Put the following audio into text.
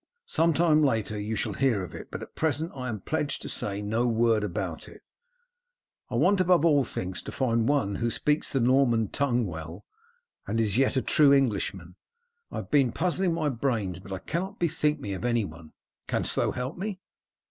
Some time later you shall hear of it, but at present I am pledged to say no word about it. I want above all things to find one who speaks the Norman tongue well, and is yet a true Englishman. I have been puzzling my brains, but cannot bethink me of anyone. Canst thou help me?"